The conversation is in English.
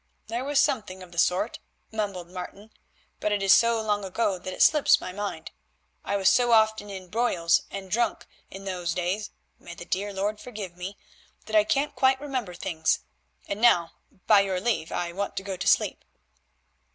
"There was something of the sort," mumbled Martin, "but it is so long ago that it slips my mind. I was so often in broils and drunk in those days—may the dear Lord forgive me—that I can't quite remember things. And now, by your leave, I want to go to sleep."